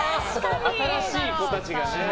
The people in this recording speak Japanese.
新しい子たちがね。